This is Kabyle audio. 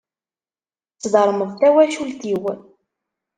Tesdermeḍ tawacult-iw.